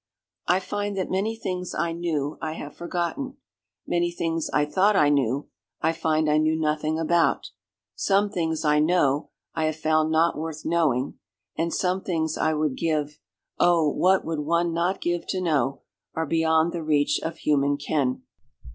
"I find that many things I knew, I have forgotten; many things I thought I knew, I find I knew nothing about; some things I know, I have found not worth knowing, and some things I would give—oh! what would one not give to know, are beyond the reach of human ken."